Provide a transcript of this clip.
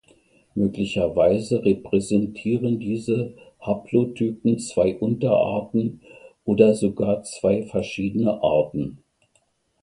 Möglicherweise repräsentieren diese Haplotypen zwei Unterarten oder sogar zwei verschiedene Arten.